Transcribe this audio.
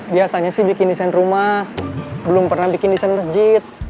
biasanya sih bikin desain rumah belum pernah bikin desain masjid